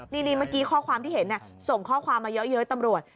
นี่เมื่อกี้ข้อความที่เห็นส่งข้อความมาเยอะตำรวจ